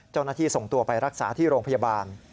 เจ้าหน้าที่ส่งตัวไปรักษาที่โรงพยาบาล